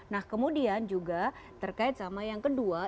nah kemudian juga terkait sama yang kedua